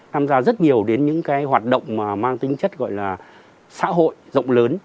tham gia rất nhiều đến những hoạt động mang tính chất gọi là xã hội rộng lớn